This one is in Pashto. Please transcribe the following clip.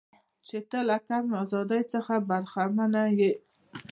چې ته له کمې ازادۍ څخه برخمنه یې.